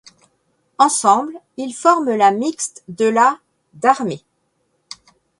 Ensembles, ils forment la mixte de la d'armée.